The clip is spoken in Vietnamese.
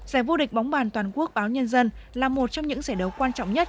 giải vô địch bóng bàn toàn quốc báo nhân dân là một trong những giải đấu quan trọng nhất